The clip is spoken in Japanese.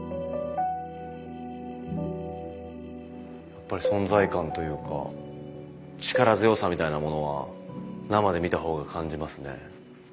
やっぱり存在感というか力強さみたいなものは生で見た方が感じますね。